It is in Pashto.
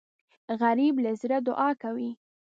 غریب له زړه دعا کوي